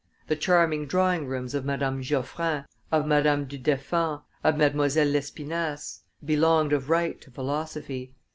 The charming drawing rooms of Madame Geoffrin, of Madame du Deffand, of Madlle. Lespinasse, belonged of right to philosophy.